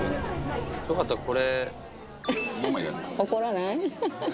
よかったらこれ。